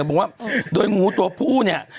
บอกว่าโดยงูตัวผู้เนี่ย